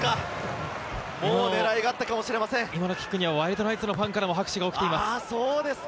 今のキックには、ワイルドナイツファンからも拍手が起きています。